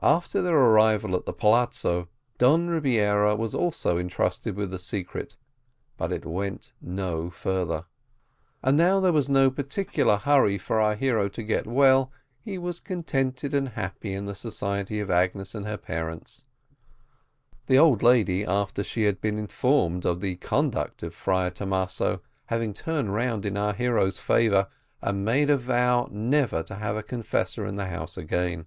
After their arrival at the palazzo, Don Rebiera was also entrusted with the secret, but it went no further. As now there was no particular hurry for our hero to get well, he was contented and happy in the society of Agnes and her parents; the old lady, after she had been informed of the conduct of Friar Thomaso, having turned round in our hero's favour, and made a vow never to have a confessor in the house again.